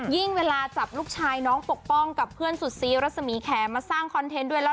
เวลาจับลูกชายน้องปกป้องกับเพื่อนสุดซีรัศมีแขมาสร้างคอนเทนต์ด้วยแล้ว